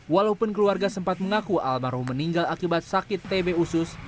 walaupun keluarga sempat mengaku almarhum meninggal akibat sakit tb usus